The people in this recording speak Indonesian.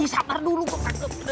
sapar dulu kok